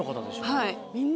はい。